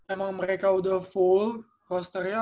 emang mereka udah full hosternya